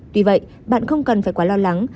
tuy vậy bạn không cần phải quá lo lắng